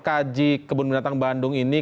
kaji kebun binatang bandung ini